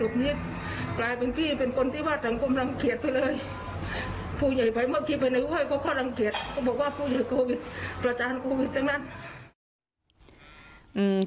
พูดอย่างไงก็คิดเขาให้เขาก็หลังเะล